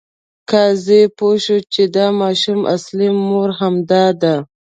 قاضي پوه شو چې د ماشوم اصلي مور همدا ده.